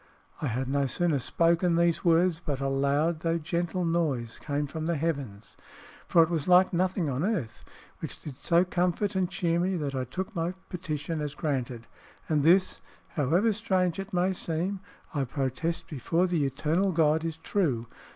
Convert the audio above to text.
I had no sooner spoken these words, but a loud though gentle noise came from the heavens (for it was like nothing on earth), which did so comfort and cheer me that I took my petition as granted. And this (however strange it may seem) I protest before the eternal God is true.